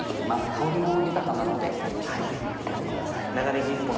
香りも豊かなのでぜひ入れてみてください。